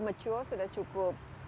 mature sudah cukup